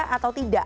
iya atau tidak